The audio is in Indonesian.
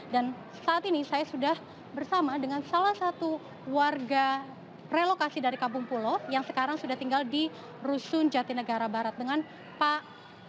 dan saat ini saya sudah bersama dengan salah satu warga relokasi dari kampung pulau yang sekarang sudah tinggal di rusun jatinegara barat dengan pak